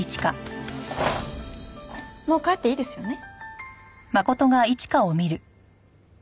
もう帰っていいですよね？